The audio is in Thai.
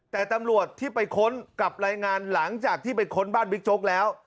แต่ตำรวจที่ไปค้นกับรายงานหลังจากที่ไปค้นบ้านบิ๊กโจ๊กแล้ว